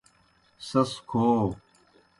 سیْس کَھو۔